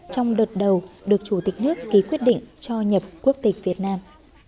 trong đợt đầu được chủ tịch nước ký quyết định cho nhập quốc tịch việt nam